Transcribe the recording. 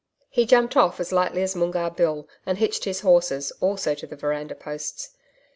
He jumped off as lightly as Moongarr Bill and hitched his horses also to the veranda posts.